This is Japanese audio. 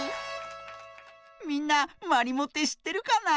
みんなまりもってしってるかな？